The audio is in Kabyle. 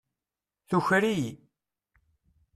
Tuker-iyi.